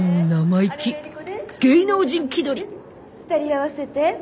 ２人合わせて。